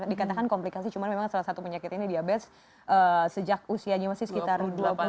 dikatakan komplikasi cuma memang salah satu penyakit ini diabetes sejak usianya masih sekitar dua puluh tahun